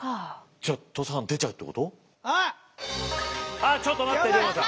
あっちょっと待って龍馬さん！